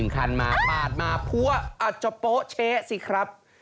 ๑คันมาปาดมาเพื่ออาจโปเชสิครับ